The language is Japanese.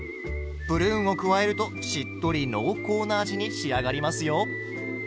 プルーンを加えるとしっとり濃厚な味に仕上がりますよ。